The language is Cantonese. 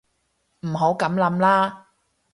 唔好噉諗啦